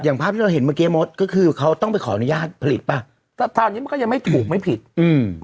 ภาพที่เราเห็นเมื่อกี้มดก็คือเขาต้องไปขออนุญาตผลิตป่ะตอนนี้มันก็ยังไม่ถูกไม่ผิดอืม